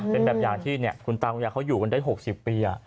เป็นแบบอย่างที่คุณตาคุณยายเขาอยู่กันได้๖๐ปี